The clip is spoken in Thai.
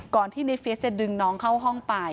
ก่อนที่ในเฟียสจะดึงน้องเข้าห้องไป